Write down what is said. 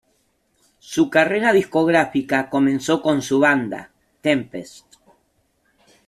Su carrera discográfica comenzó con su banda, Tempest.